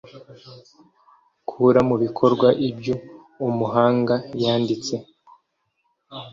kura mu bikorwa ibyu umuhanga yanditse